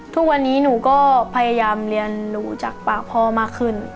ทุกวันนี้หนูก็พยายามเรียนรู้จากปากพ่อมากขึ้น